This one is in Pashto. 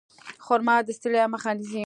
خرما د ستړیا مخه نیسي.